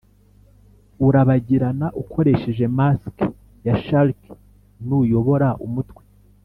urabagirana ukoresheje mask ya shark nuyobora umutwe,